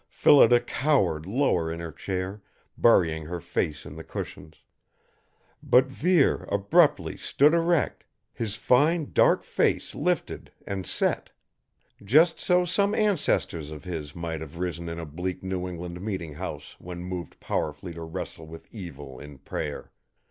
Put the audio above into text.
Phillida cowered lower in her chair, burying her face in the cushions. But Vere abruptly stood erect, his fine dark face lifted and set. Just so some ancestors of his might have risen in a bleak New England meeting house when moved powerfully to wrestle with evil in prayer.